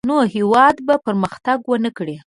نو هېواد به پرمختګ ونه کړي.